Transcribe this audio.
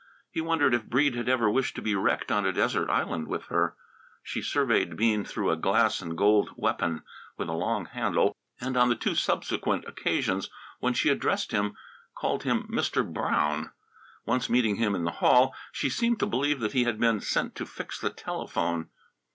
He wondered if Breede had ever wished to be wrecked on a desert island with her. She surveyed Bean through a glass and gold weapon with a long handle, and on the two subsequent occasions when she addressed him called him Mr. Brown. Once meeting him in the hall, she seemed to believe that he had been sent to fix the telephone.